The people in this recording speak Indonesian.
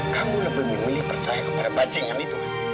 kamu lebih memilih percaya kepada bacingan itu